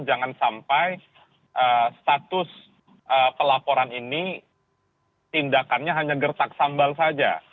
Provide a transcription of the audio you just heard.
jangan sampai status pelaporan ini tindakannya hanya gertak sambal saja